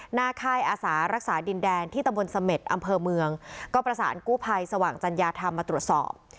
ค่ายอาสารักษาดินแดนที่ตำบลเสม็ดอำเภอเมืองก็ประสานกู้ภัยสว่างจัญญาธรรมมาตรวจสอบ